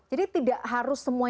jadi tidak harus semua